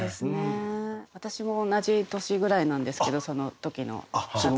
私も同じ年ぐらいなんですけどその時の立子さんと。